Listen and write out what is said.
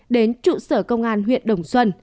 đến trụ sở công an huyện đồng xuân